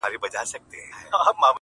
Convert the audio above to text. o خداى خبر دئ، چي تره کافر دئ٫